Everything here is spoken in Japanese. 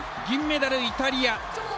銀メダル、イタリア。